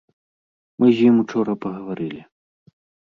Мы з ім учора пагаварылі.